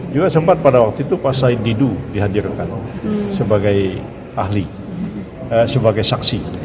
juga sempat pada waktu itu pak said didu dihadirkan sebagai ahli sebagai saksi